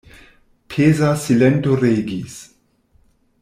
Peza silento regis.